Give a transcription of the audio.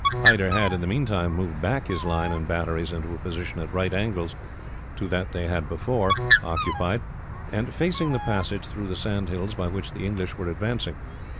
"Hyder had, in the meantime, moved back his line and batteries into a position at right angles to that they had before occupied, and facing the passage through the sand hills by which the English were advancing.